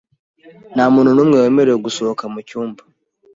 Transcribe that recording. Nta muntu n'umwe wemerewe gusohoka mu cyumba .